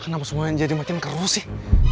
hai kenapa semuanya jadi makin kerusih